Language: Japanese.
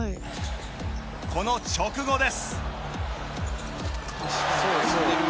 この直後です。